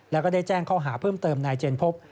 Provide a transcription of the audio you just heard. แล้วก็ได้แจ้งข้อหาเพิ่มเติมนายเจนพบ